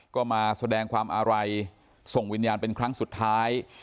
ก็มาแสดงความอาลัยส่งวิญญาณเป็นครั้งสุดท้าย